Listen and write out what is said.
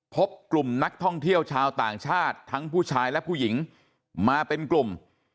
พบกลุ่มนักท่องเที่ยวชาวต่างชาติทั้งผู้ชายและผู้หญิงมาเป็นกลุ่ม